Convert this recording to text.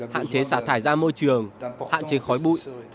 hạn chế xả thải ra môi trường hạn chế khói bụi